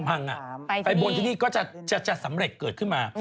ไปบนที่นี่ก็จะสำเร็จเกิดขึ้นมา